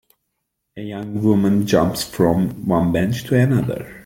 A young woman jumps from one bench to another.